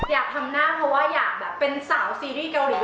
อยากทำหน้าเพราะว่าอยากแบบเป็นสาวซีรีส์เกาหลี